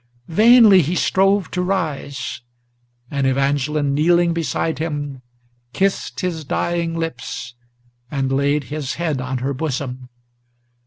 Vainly he strove to rise; and Evangeline, kneeling beside him, Kissed his dying lips, and laid his head on her bosom.